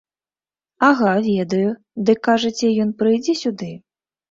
Ага, ведаю, дык, кажаце, ён прыйдзе сюды?